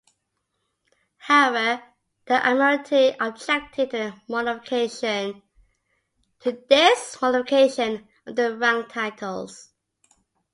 However, the Admiralty objected to this modification of their rank titles.